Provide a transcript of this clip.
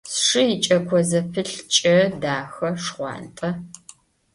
Сшы икӏэко зэпылъ кӏэ, дахэ, шхъуантӏэ.